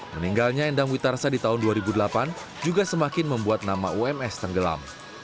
meninggalnya endang witarsa di tahun dua ribu delapan juga semakin membuat nama ums tenggelam